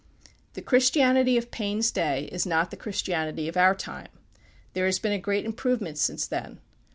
The Christianity of Paine's day is not the Christianity of our time. There has been a great improvement since then.